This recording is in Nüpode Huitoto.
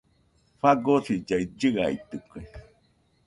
Fagosillaɨ chiaitɨkue.